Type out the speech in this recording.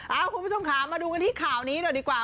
คุณผู้ชมค่ะมาดูกันที่ข่าวนี้หน่อยดีกว่า